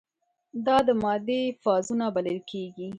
دا د مادې فازونه بلل کیږي.